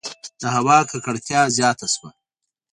• د هوا ککړتیا زیاته شوه.